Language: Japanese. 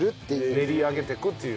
練り上げていくという。